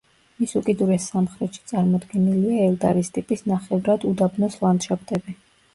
მის უკიდურეს სამხრეთში წარმოდგენილია ელდარის ტიპის ნახევრადუდაბნოს ლანდშაფტები.